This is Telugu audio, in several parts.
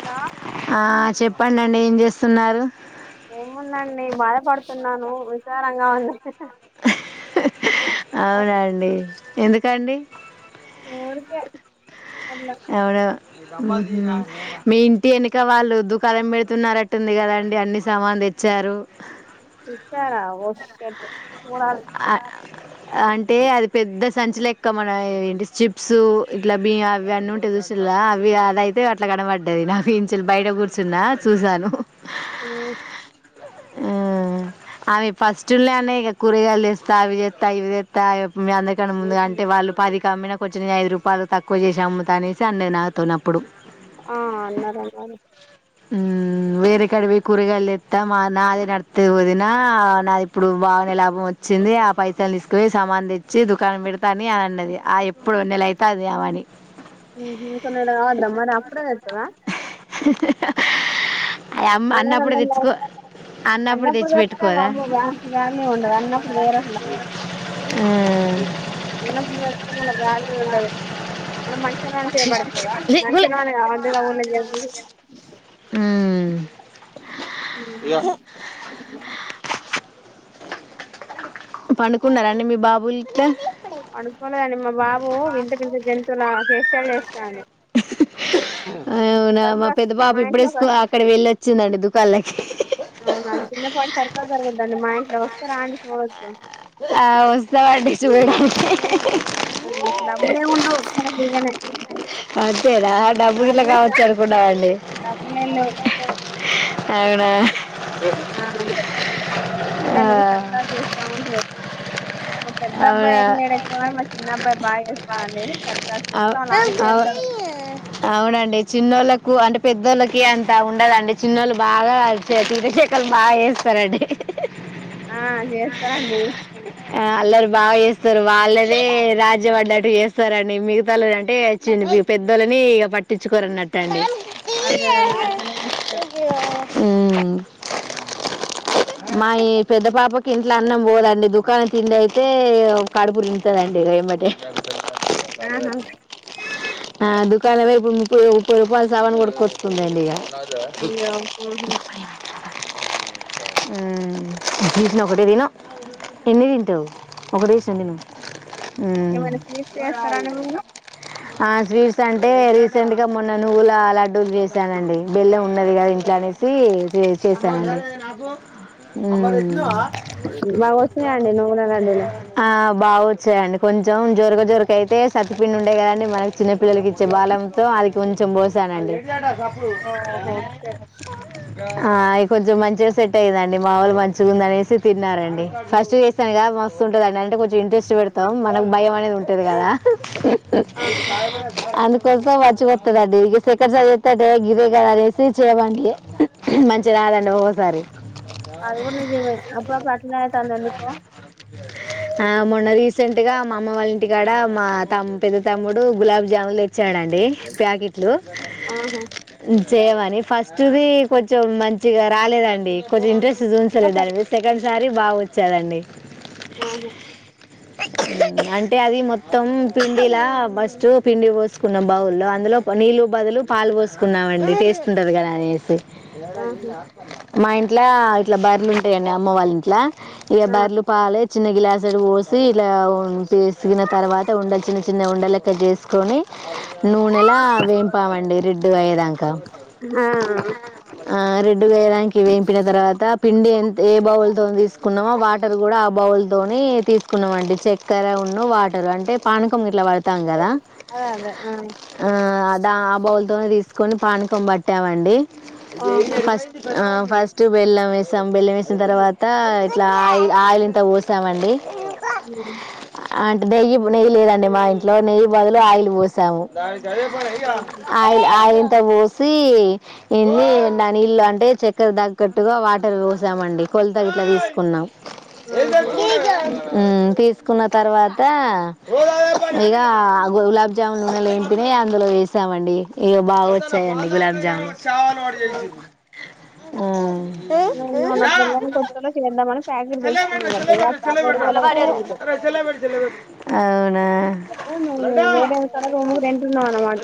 హలో ఆ చెప్పండి నేం చేస్తున్నారు? ఏముందండి బాధపడుతున్నాను విచారంగా ఉంది. అవునండి ఎందుకండి. ఊరికే అట్లా అవును మీ ఇంటి ఎన క వాళ్ళు దుఖనాం పెడుతున్నారట్టుంది కదాండి అన్ని సమాన్ తెచ్చారు. విచారా వష్ షట్ చూడాలి ఆ ఆ అంటే అది పెద్ద సంచిలో ఎక్కువ మనం ఏంటి చిప్స్ ఇట్లా బి అవి అన్నీ ఉంటే చూసాల్ల అవి అయితే అట్లా కనబడ్డది. నా బీన్షలు కూర్చున్న చూసాను ఊ అవి ఫస్ట్ల్లో అనే ఇక కూరగాయలు చేస్తా అవి చేస్తా ఇవి చేస్తా మీ అందరికన్నా ముందు అంటే వాళ్ళు పది కా అమ్మినా కొంచెం ఐదు రూపాయలు తక్కువ చేసా అమ్ముతా అనేసి అన్నే నాతోను అప్పుడు ఆ అన్నారు అన్నారు ఉ వేరే కాడకి కూరగాలు ఎత్తా మా నాదే నడితే వదినా నాది ఇప్పుడు బానే లాభం వచ్చింది. ఆ పైసలు తీసుకుయి సామాన్ తెచ్చి దుకాణం పెడతాని అని అన్నది ఆ ఎప్పుడు నెల అయితది అమెఅని ఉహు కొన్నడ దమ్ మని అప్పుడే అత్తదా అ యమ్మ అన్నప్పుడు తెచ్చుకో అన్నప్పుడు తెచ్చి వస్తా పెట్టుకోదా వమ్మో గాని గానే ఉండదు అన్నప్పుడు వేర ఊ అన్నప్పుడు ఇష్టమ లే బాల ఉండదు మనం మనుషనివన పేరు పడపోదా మనుషలవ వంది నా ఊర్ల ఊ ఉ ఇగ పన్నుకున్నారాండి మీ బాబులీద్దర్ పడుకోలేదండి మా బాబు వింత వింత జంతువుల ఫేషలు చేస్తాడు అవునా మా సర్కస్ పెద్ద మా ఇంట్లో స పల్లకి అవునా చిన్నపాటి సర్కస్ జరగుద్దండి మా ఇంట్లో వస్తారా అండి పోవచ్చు. ఆ వస్తామండి చూ బెడ్డుకి అ డబ్బులేముండవ్ అంతేనా [unintelligible] డబ్బు గిల్లా కావచ్చు అనుకున్నావండి డబ్బులేం లేవు అవునా ఆ ఆ, ఏళ్లు సర్కస్ చేస్తమంట్రూ మా పెద్ద అబ్బాయి అవునా ఏం చేయడు ఎక్కువ మా చిన్న అబ్బాయి బాగా చేస్తాండి సర్కస్ అవ్- మొత్తం అవ్- లాంచేతాడు. ఎక్కువ అంటే పెద్దోళ్ళకి అంత ఉండదండి చిన్నోళ్ళు బాగా వతీలశకలు బాగా చేస్తారండి. ఆ చేస్తారండి ఆ అల్లరి బాగా చే వస్తారు వాళ్ళనే రాజ్య పడ్డట్టు చేస్తారండి మిగతాల అంటే వచ్చి పెద్దలని ఇక పట్టించుకోరున్నట్టు అండి అదే అదే అట్లనే చేస్తారు హమ్ మా పెద్ద పాపకి ఇంట్లో అన్నం పోదండి దుకాణం తిండి అయితే కడుపు తింటదండి ఇక ఎమ్మటే ఆహా దుకాణం దుకాణం కి పోయి ముప్పై ముప్పై రూపాయల సామాను కొనకొచ్చుకుందండి ఇగ తాగుతావా అయ్యో ఆహా తీసిన ఒకటే తిను ఎన్ని తింటావు ఒకటే తీసాను తిను ఏమైనా స్వీట్స్ చేస్తారాండి ఊ మీరు ఆ స్వీట్స్ అంటే రీసెంట్గా మొన్న నువ్వుల లడ్డూలు చేసానండి బెల్లం ఉన్నది కదా ఇంట్లో అనేసి. దే ఆహా చేశాను ఊ అ బాగా వచ్చినాయండి నువ్వుల లడ్డూలు ఆ బాగొచ్చాయండి. కొంచెం జోరక జోరక అయితే సత్తిపిండి ఉండే కదండి మనకి చిన్న పిల్లలకు ఇచ్చే బాలమృతం అది కొంచెం పోసానండి. ఇయటసప్పుడు ఓహో షట్ ఆ అవి కొంచెం మంచేస్ సెట్ అయ్యిందండి మావోలు మంచిగుందనేసి తిన్నారండి ఫస్ట్ చేస్తాను కదా మస్తుంటుందండి అంటే కొంచెం ఇంట్రెస్ట్ పెడతాం మనకు భయం అనేది ఉంటది కదా. ఆహా అందు కొలత మంచగొత్తదండి డీకి చెక్కర జల్లితంటే గిరి కద అనేసి చేయమన్లే మంచి రాదండి ఒగోసారి అది కూడా నిజమే అప్పుడపుడు అట్లనే ఐతంది ఎందుకో ఆ, మొన్న రీసెంట్గా మా అమ్మ వాళ్ళ ఇంటికాడ మా తమ్ పెద్ద తమ్ముడు గులాబ్జాముల్ తె చడండి ప్యాకిట్లు ఆహా ఉ చేయమని ఫస్ట్ది కొంచెం మంచిగ రాలేదండి. కొది ఇంటెస్ నువ్ చూయించలే ఆహా దాని మీద సెకండ్స్ సారి బావొచ్చరండి ఆవును ఊ అంటే అది మొత్తం పిండిలా ఫస్ట్ పిండి పోసుకున్న బౌలో అందులో నీళ్లు కు బదులు పాలు పోసుకున్నామండి టేస్ట్ ఉంటది కదా అనేసి ఏడ ఆహా ఈన అక్కనా? మా ఇంట్ల ఇట్ల బర్లుంటాయండి అమ్మ వాళ్ళ ఇంట్ల ఇక ఆ బర్లు పాలే చిన్న గిలాస్ దరు వోస్ సీల అవును వేసిన తర్వాత ఉండల్ చిన చిన చిన్న ఉండలెక్క జ చేసి ని నూనెలా వేంపామండి రెడ్ అయి దాకా ఆ ఆ రెడ్ రెడ్ గా అయ్యాదాకా వేంపిన తర్వాత పిండి ఏ బౌల్ తో తీసుకున్నామో వాటర్ కూడా ఆ బౌల్ త తిని టెస్క్ కున్నాంమండి చక్కర ఉన్న వాటర్ అంటే పానకం ఎట్ల పడటం కదా ఆ అదే అదే ఆ బౌల్ తిని టెస్కొని పానకం మొత్తం పట్టమండి ఆ ఆహా ఫస్ట్ ఆ ఫస్ట్ బెల్లం వేసాం బెల్లం వేసిన తర్వాత ఇట్లా ఆయి ఆయిల్ ఇంత పోసామండి హ అంటే నెయ్యి నెయ్యి లేదండి మా ఇంట్లో నెయ్యి బదులు ఆయిల్ పోూసాము ఆయిల్ ఆయిల్ అత్త పోసి ఎన్ని నా నీళ్లుు అంటే చక్కెరా తగ్గట్టుగా వాటర్ పోసామండి కొలత ఇట్లా తీసుకున్నాం ఏద ఆహా తీసుకున్న తర్వాత ఇక గులాబ్జామున్ నన్నెలుంటనే అందులో వేసామండి ఇక బాగా వచ్చాయండి గులాబ్జామున్ చవాల ఆడి చేసి ఆ న పబైని కొత్తలో చేద్దామని ప్యాకెట్ తెచ్చుకుందన్నాంట అభై రూపాయల ఆ ప్యాకెట్ అవును అయితే మేము వేరే కాడ రూమ్ రెంట్ ఉన్నాం అన్నమాట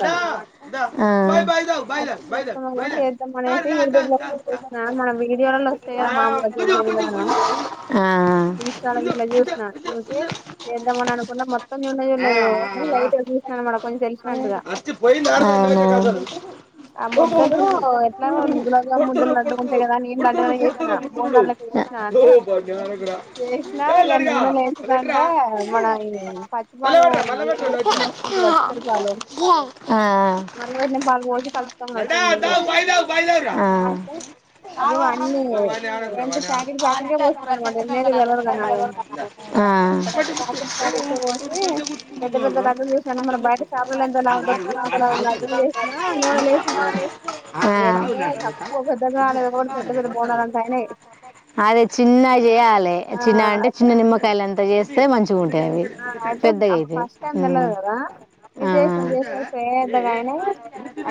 అట్లా తీసుకున్నాము చేద్దాం అనేసి యూట్యూబ్ లో ఒకటి చూసిన మన వీడియోలలో వస్తాయి కదా మామూలుగా చేసే విధానం ఇన్స్టాలో ఇట్లా ఆ చూసిన చూసి చేద్దామ అని అనుకున్న మొత్తం లడ్డుగ అవును. ఉంటాయి కదా అని నేను అలాగి చేసిన [unintelligible] ఇ నూనెలో ఎంచినక మన ఇది చిక్కటి పాలు మరగబెట్టిన పాలు పోసి కలుపుతాం కదా పిండి అయితే మేము అన్ని ఎంత ప్యాకెట్ ప్యాకెట్కే పోసింది అనమాట ఎన్నేది తెలవదు ఆ కదా నాకు ప్యాకెట్ ప్యాకెట్కే పోసి ఆ పెద్ద పెద్ద లడ్డూలు చేసినా మన బయట షాపులలో ఎంత లావు దొరుకుతాయో అంత లావు లడ్డూలు చేసినా నూనెలో వేసినా వేస్తే తక్కువ పెద్దగా రాలేదు ఒకటి పెద్ద పెద్ద బోండాలంత అయినాయి అదే చిన్న చేయాలి చిన్న అంటే ఆ చిన్న నిమ్మకాయలు అంత చేస్తే మంచి ఆ అయితే అప్పుడు ఫస్ట్ టైం తెలవదు ఉమ్. కదా ఇంగ ఆ చేసినం పేద్దగానీ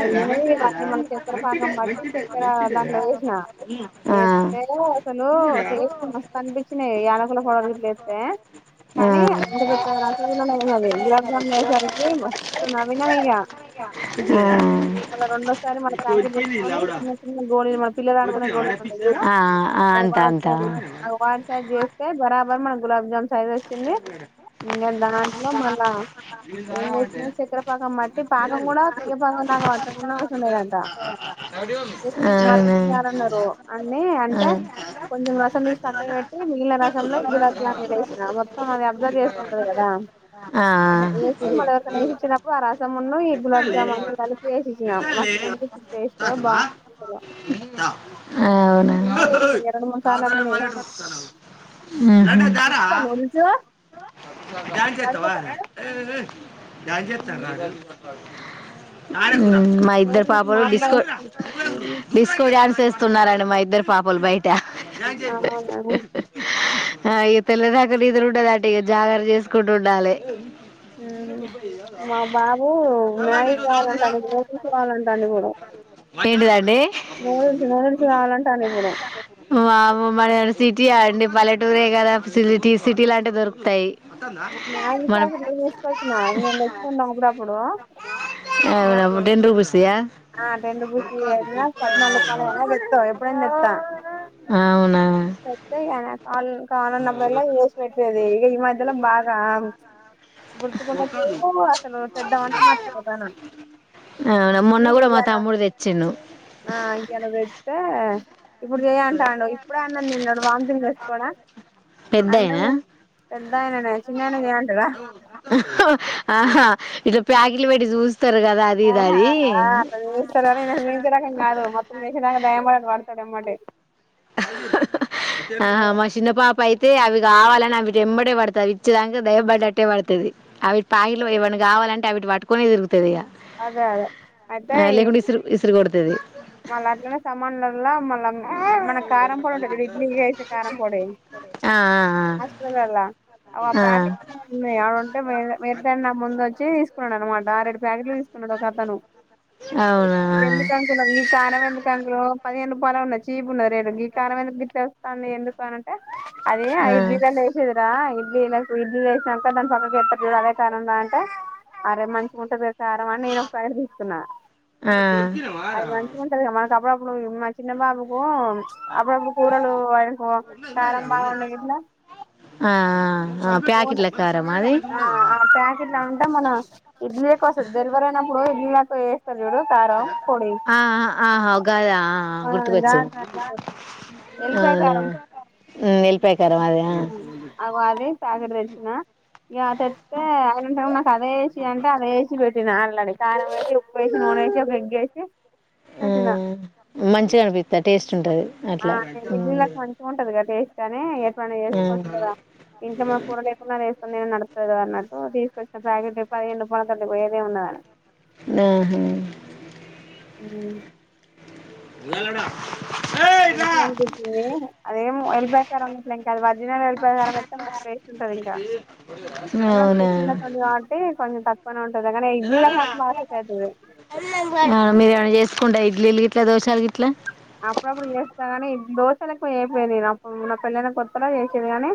అయినయి వాటిని మన చెత్తర పాకం బట్టి చెత్తర దాంట్లో వేసినా వేస్తే అసలు టేస్ట్ మస్తు అనిపించినాయి యనకు కూడా పోడదు లేస్తే కానీ ఇంత పెద్ద రసగుల్లా నవ గులాబ్ జామున్ అయేసరికి మస్తు నవ్వినామీగా మళ రెండోసారి మన ప్యాకెట్ తెచ్చుకొని చిన్న చిన్న గోళీలు మన పిల్లలు ఆడుకునే గోళీలు ఉంటయి జూడు ఆ అవి అంత వా అంత వా చేస్తే బరాబర్ మన గులాబ్ జాన్ సైజోచ్చింది ఇంకా దాంట్లో మళ్ళా ఏం చేసిన చక్కెరపాకం మట్టి పాకం కూడా తీగపాకం దాక అట్టకుండా అవసరం లేదంట జస్ట్ అవును మరుగుటి జారన్నారు అన్నన్ని అంటే కొంచెం రసం తీసి పక్కన పెట్టి మిగిలిన రసంలో గులాబ్జామూనేసిన సో మా దెగ్ ఆ వేసి మళ్ళీ ఎవరికైనా వేసి ఇచ్చినప్పుడు ఆ రసమును ఈ గులాబ్ జామున్ అన్ని కలిపి వేసి ఇచ్చిన మస్తు అనిపించింది టేస్ట్ ఆ బాగుంది అసలు అట్లనే చేసిన ఇగ రెండు మూడు అవును సార్లు అట్లనే చేసిన ఇప్పుడా నూడిల్స్ మహ్మ్ డాన్స్ చెస్తావా పడుకోపోరా డాన్స్ చెస్త అ మా ఇద్దరు నూడిల్స్ పాపలు మా డిస్కో అబ్బాయి డిస్కో డాన్స్ ఎస్త్ స్తున్నారండి మా ఇద్దరు పాపలు బయట ఆవున ఆ ఇగ తెల్లదాక నిదుర ఉండదండి ఇగ జాగర చేసుకుంట ఉండాలి ఉమ్ మా బాబు మ్యాగి కావాలంటండు ఇప్పుడు నోటీరుచి కావాలంటండు ఇప్పుడు ఆ ఏంటిదండి నూడిల్స్ ఏ నూడిల్స్ కావాలంటాండు ఇప్పుడు వమ్మో మా సిటీయా అండి పల్లెటూరే కదా ఫ్సీటీ సిటీలంటే దొరుకుతాయి ఆ మ్యాగీ మనం ఫ్యాకట్లు చేసుకోవచ్చున నేను తెచ్చుకున్నా అప్పుడప్పుడు అవునా మ్యాగీ టెన్ రూపీస్యా ఆ రెండు పూసీయన్న పద్నాలుగు రూపాలన్న తెచ్చుకో ఎప్పుడైన తెస్తా అ అవునా సత్తే కద కాళ్ళు కావాలన్నపుడల్లా చేసి పెట్టేది ఈ మధ్య ఇల బాగా గుర్తుకున్నపుడు అసలు చెడ్డవంత మర్చిపోతాను అవునా మొన్న నను కూడా మా ఇయాల తమ్ముడు తెచ్చిండు ఆ ఇయ్యాలా పెడితే వామిటింగ్ చేసుకోడా అన్నం పెద్దయినా పెద్దాయననే చిన్నాయన చేయమంటడా ఆహా ఇది పాకెట్లు పెట్టి జూస్ ఆహా ఆ అట్లా జూస్తారని ఇన జూవించే రకం గాదు మొత్తం జేసేదాకా టైమ్ పడతది అడ ఏమ్మటే హా మా షిన్న పాపా అయితే అవి కావాలని అవి ఎంబడే పడుతది ఇచ్చేదాక దయబడ్డట్టే పడుతది అవిటి పాకిట్లు ఇవీ కావాలంటే అవిటి పటుకొనే తిరుగుత్ అదే అదే అయితే ఈ లేకుంటే ఇసురు ఇసురు కొడుతది ఇగ అలాట్లనే సమానలల మళ్ళ మనకు కారం పొడి ఉంటది క ఇడ్లీసే కారం పొడి ఆ హాస్పటలల అగొ ఆ ప్యాకెట్లు వున్నాయ ఉంటే మే మీరేటమే ముందు వచ్చి తీసు అనమాట ఆరెడు పాకెట్లు తీస్ ఉన్నాడోకతను ఆ అవునా వెందు కాకు కార వెందు కాంక్రం పదిహేను [inaudible] కొనన్న చీప్ గ లేదు గీ కారం ఎందుకు గిట్ల అన్ని ఎందుకు అనంటే అదే ఆ ఐదు బీరలు ఏసేదిరా ఇడ్లీ నాకు ఇడ్లి వసినాక దాని పక్క ఎత్త అదే కార అంటే అరే మంచిగా ఉంటది దెల్సా ఆ కారం ఆ నేను ఒక ప్యాకెట్ తీసుకున్నా ఆ అది మంచిగా ఉంటంది కదా మనకప్పుడపుడ ఇ మా చిన్న బాబుకు ప్చ్ అప్పుడప్పు కూరలు వాడికోకారం బాట్లాట్ ఆ ఆ ప్యాకెట్ల కారమా అది ఉంట మన వస్తది డెలివరీ అయినప్పుడు ఇడ్లీలకు వేస్తారు చూడు కారం పొడి ఆ ఆహాగాదా ఆ గా గుర్తుకొచ్చింది కారం పొడి ఎల్లిపాయ అవున ఎల్లిపాయ కారం అది అ అదది తాగడచ్చనా ఇక తెత్తే అఐలు నాకు అదేసి అంటే అదే వేసి పెట్ నాడి కాల వేసి ఉప్పు వేసి, నూనే వేసి ఒక ఎంగ వేసి ఆ మంచిగా అనిపిస్తాది టేస్ట్ ఉంటది అట్లా తానే చేసుకోవచ్చు కదా ఇంట్లో మన కూర లేకుండా వే నే ట్టు తీసుకొచ్చిన ప్యాకెట్ పదిహేను పన త పో ఏదే ఉన్నదని ఆహా అవు వెలడా మంచిగా అనిపించంది అదేం వలి ప్రరికారం ఉన్నట్లే ఇంకా అది వర్జినల్ వలి ప్రరికారం వస్తే మం వేస్ంటది ఇంకా మెషన్లో తడి కాబట్టి కొంచెం తక్కు ప ఆ మీరేమన్న చేసుకొండి ఇడ్లిలుగిట్ల దోషాలు గిట్లా అప్పుడప్పుడు చేస్తా కాని ఈ దోశలుకు ఏం తెలీదు అప్పుడు నా పెళ్లైన కొత్తలా చేసేది గాని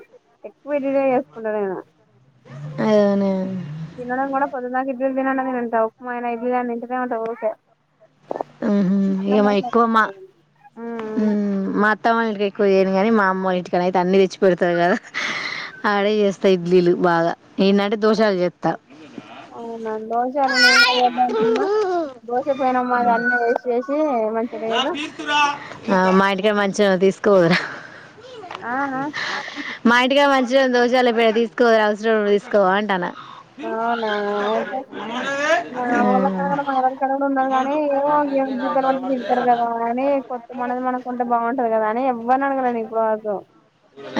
ఎక్కువ ఇడ్లీలు చేసుకుంటా నేను అవునా తినడంం కూడా పొదునా దాకా ఇడ్లీలు తినండి తంటారు ఉప్మాయనా ఇడ్లే నింటే ఉంటా ఓకే ఉమ్ హమ్ ఏమా ఎక్కువ మా కాదు ఉమ్ మా అత్త మావయ్య క్కువ ఏయను కానీ మా అమ్మ ఇంటికడా అయితే అన్నిీ తెచ్చి పెడతారు కదా ఆడే చేస్తా ఇడ్లీలు బాగా ఏంటంటే దోషాలు చేస్తా అవునా దోశ అలా ఏంట దోశ పెనం మగా అన్న వేసి వేసి మంచిగా లేదు తీస్కో పో ఆ మా ఇంటికాడా గా మంచి దోశాల ఇప్పుడ తీసుకోవాలి అవసరం తీసుకోవ అంటానా అవునా అయితే మామూల కడ కూడాడ మల కడ కూడా ఉన్నారు కానీ ఏమో దీపాలు అంట తిళ్తారు కదా అని కొత్తం అనేది మనకుంటే బాగుంటది కదా అని ఎవరిని అడగాలా నేను ఇప్పుడు వరకు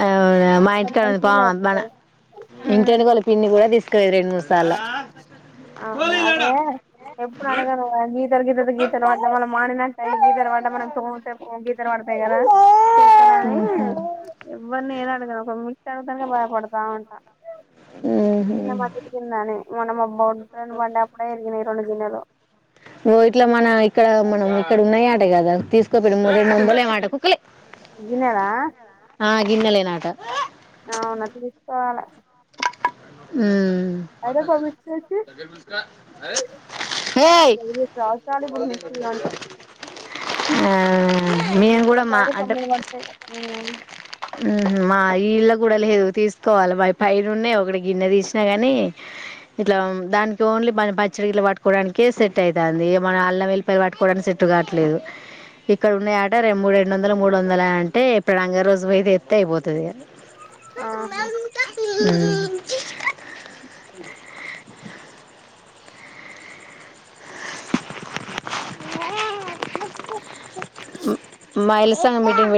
ఆ వు మా ఇంటికాడ కొంతమంది ఉ పా ఫీల్ అయితరు మన ఇంకెందుకో వాళ్ళ పిన్ని కూడా తీస్త కదే అవును అదే ఎప్పుడు అడగను గీతలు గీతలు గీతలు వ వాళ్ళ మాడిినట్ అల్ గీతర్ పడ్డ మనం స గీత వాడతాయి కదా ఆహా నేను అడిగాను ఒక మిక్స్ అడుగం బ భయపడతా ఉంటా ఉమ్మ్మ్ మనం అబ్బా మత్ర పండా కూడా ఇరిగి తజ నలో ఓ ఇట్లా మన ఇక్కడ మనం ఇక్కడ ఉన్నాయి ఆట కదా తీసుకో పెడి మ రెండువందలు ఏమో కుక్కలే దినార గిన్నలలే నాట తీసుకోవాలె ఉమ్ అదే పా మిక్సీ వచ్చి హె ఎనిమిది సంవత్సరాలు ఇప్పుడు మిక్సీ కొని ఆ మేము ఎనిమిది కూడా సంవత్సరాలు అంటే తొమ్మిది పడతాయి ఇళ కూడా లేదు తీసుకోవాలి మా పైైన ఉన్నాయి ఒకటికి గిన్నె తీసినా గాని ఇట్లా దానికి ఓన్లీ మన పచ్చడికిల పట్కోవడానినికిే సెట్ అయితుంది మన అల్లం వెల్లి ప పట్టుకోవడానికిెట్టు కావట్లేదు ఇక్కడ ఉన్న ఆట మూడు రెండు వందలు మూడు వందల అంటే ఇప్పుడు రంగ రోజు అయితే ఎత్తే అయిపోతుది ఆహా హ జ్ అవు మ్ మైళ్ళు సంగం మీటింగ్ పో